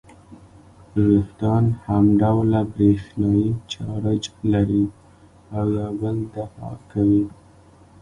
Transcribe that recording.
وېښتان همډوله برېښنايي چارج لري او یو بل دفع کوي.